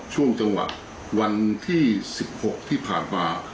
ช่วงจังหวะวันที่๑๖ที่ผ่านมา